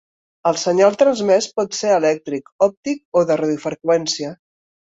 El senyal transmès pot ser elèctric, òptic o de radiofreqüència.